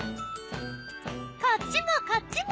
こっちもこっちも！